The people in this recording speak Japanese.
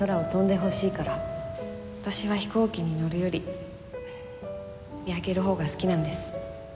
私は飛行機に乗るより見上げるほうが好きなんです。